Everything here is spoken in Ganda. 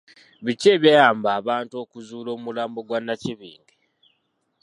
Biki ebyayamba abantu okuzuula omulambo gwa Nnakibinge?